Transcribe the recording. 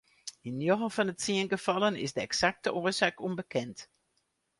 Yn njoggen fan de tsien gefallen is de eksakte oarsaak ûnbekend.